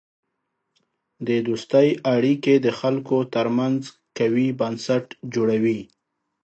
د دوستی اړیکې د خلکو ترمنځ قوی بنسټ جوړوي.